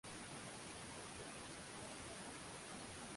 Likahifadhiwa katika jengo la makumbusho ya Mkwawa kwenye kijiji cha Kalenga